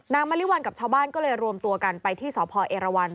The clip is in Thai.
มริวัลกับชาวบ้านก็เลยรวมตัวกันไปที่สพเอรวัน